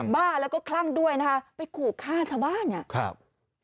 บ้าแล้วก็คลั่งด้วยนะคะไปขู่ฆ่าชาวบ้านเนี่ยครับ